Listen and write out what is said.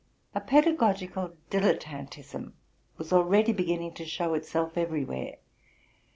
A pedagogical dilettantism was already beginning to show itself everywhere.